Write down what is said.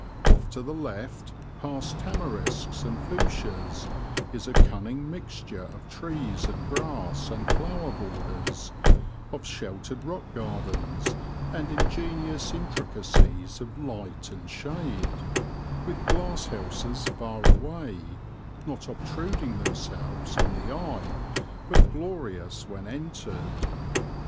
Off to the left, past tamarisks and fuchsias, is a cunning mixture of trees and grass and flower borders, of sheltered rock gardens and ingenious intricacies of light and shade, with glasshouses far away, not obtruding themselves on the eye, but glorious when entered.